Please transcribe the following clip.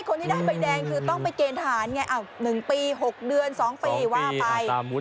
คนที่ได้ใบแดงคือต้องไปเจนทหารไงอ่ะหนึ่งปีหกเดือนสองปีว่าไป